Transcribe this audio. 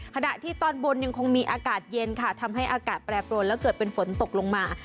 ขณะที่ตอนบนยังคงมีอากาศเย็นค่ะทำให้อากาศแปรปรวนและเกิดเป็นฝนตกลงมา